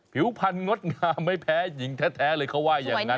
ผิวพันธดงามไม่แพ้หญิงแท้เลยเขาว่าอย่างนั้น